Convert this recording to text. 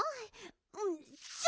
うんしょ！